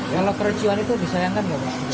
kalau kericuan itu disayangkan nggak pak